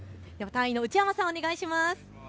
内山さん、お願いします。